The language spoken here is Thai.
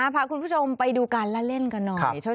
พาคุณผู้ชมไปดูการละเล่นกันหน่อย